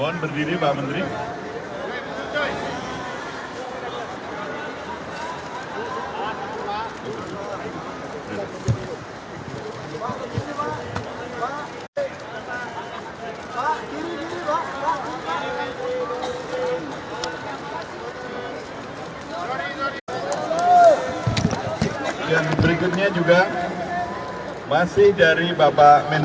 terima kasih kepada pak kadean